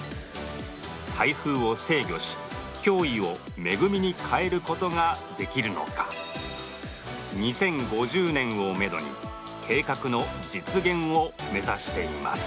台風を制御し脅威を恵みに変えることができるのか２０５０年をめどに計画の実現を目指しています